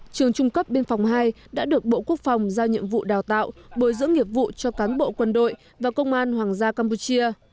trường trung cấp biên phòng hai đã được bộ quốc phòng giao nhiệm vụ đào tạo bồi dưỡng nghiệp vụ cho cán bộ quân đội và công an hoàng gia campuchia